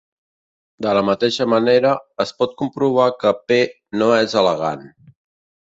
De la mateixa manera, es pot comprovar que "P" no és elegant.